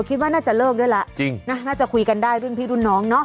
คิดว่าน่าจะเลิกด้วยล่ะน่าจะคุยกันได้เรื่องพี่รุ่นน้องเนอะ